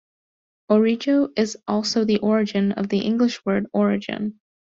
"Origo" is also the origin of the English word "origin".